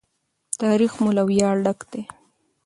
تاریخ مو له ویاړه ډک دی.